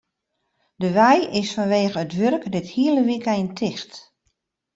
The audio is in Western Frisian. De wei is fanwegen it wurk dit hiele wykein ticht.